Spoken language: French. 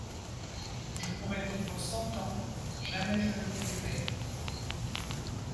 Je pourrais vivre cent ans, jamais je ne l'oublierai.